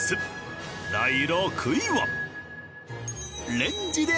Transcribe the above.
第６位は。